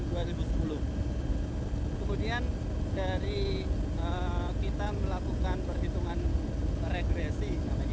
kemudian dari kita melakukan perhitungan regresi